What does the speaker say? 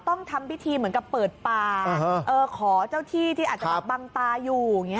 ต้องทำพิธีเหมือนกับเปิดป่าขอเจ้าที่ที่อาจจะแบบบังตาอยู่อย่างนี้